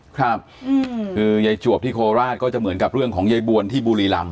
ครับคือยายจวบที่โคราชก็จะเหมือนกับเรื่องของยายบวนที่บุรีรำ